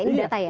ini data ya